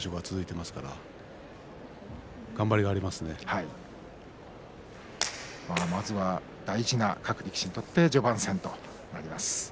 まずは大事な各力士にとって序盤戦となります。